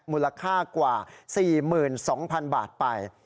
มูลค่ากว่า๔๒๐๐๐บาทไป